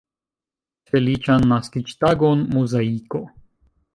Feliĉan naskiĝtagon Muzaiko!